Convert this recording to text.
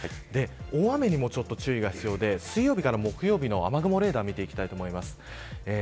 大雨にも注意が必要で水曜日から木曜日の雨雲レーダーを見ていきます。